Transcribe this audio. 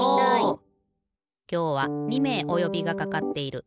きょうは２めいおよびがかかっている。